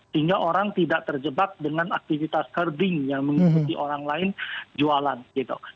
sehingga orang tidak terjebak dengan aktivitas herbing yang mengikuti orang lain jualan gitu